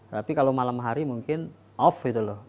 tapi kalau malam hari mungkin off gitu loh